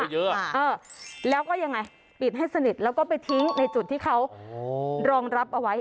เยอะแล้วก็ยังไงปิดให้สนิทแล้วก็ไปทิ้งในจุดที่เขารองรับเอาไว้